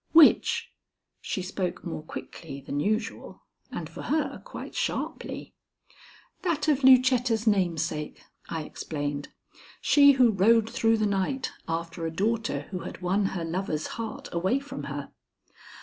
"Which?" She spoke more quickly than usual, and for her quite sharply. "That of Lucetta's namesake," I explained. "She who rode through the night after a daughter who had won her lover's heart away from her.